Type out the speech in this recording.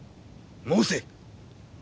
申せ！